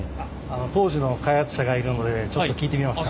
当時の開発者がいるのでちょっと聞いてみますか？